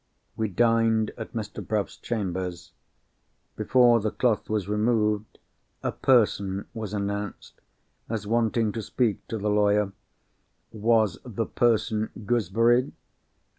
We dined at Mr. Bruff's chambers. Before the cloth was removed, "a person" was announced as wanting to speak to the lawyer. Was the person Gooseberry?